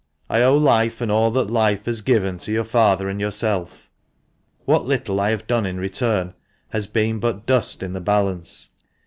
I owe life, and all that life has given, to your father and yourself. What little I have done in return has been but dust in the balance.